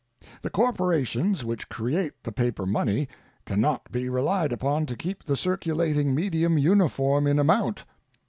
The corporations which create the paper money can not be relied upon to keep the circulating medium uniform in amount.